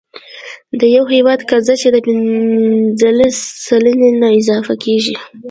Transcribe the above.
د یو هیواد قرضه چې د پنځلس سلنې نه اضافه کیږي،